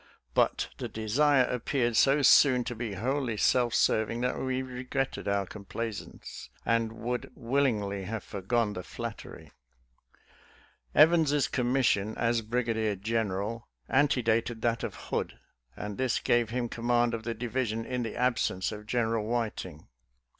But the desire appeared so soon to be wholly self serving that we regretted our complaisance, and would willingly have foregone the flattery. Evans's commission as brigadier general ante dated that of Hood, and this gave him command of the division in the absence of General Whit ing.